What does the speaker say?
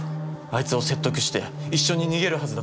あいつを説得して一緒に逃げるはずだった。